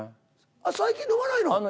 最近飲まないの？